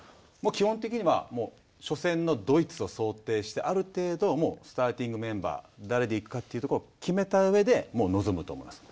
基本的には初戦のドイツを想定してある程度スターティングメンバー誰で行くかというところを決めたうえで臨むと思います。